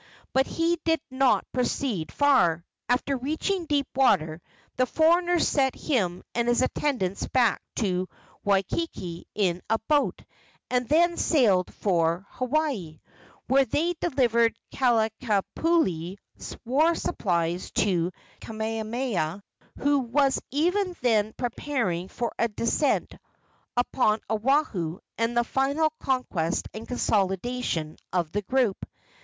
But he did not proceed far. After reaching deep water the foreigners sent him and his attendants back to Waikiki in a boat, and then sailed for Hawaii, where they delivered Kalanikupule's war supplies to Kamehameha, who was even then preparing for a descent upon Oahu and the final conquest and consolidation of the group.